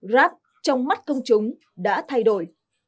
rap trong mắt công chúng đã thay đổi